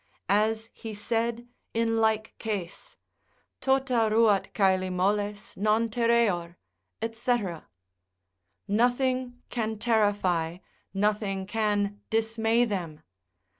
As he said in like case, Tota ruat caeli moles, non terreor, &c. Nothing can terrify, nothing can dismay them.